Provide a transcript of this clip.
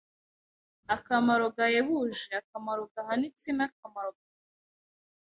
Akamaro gahebuje akamaro gahanitse n’akamaro gakomeye;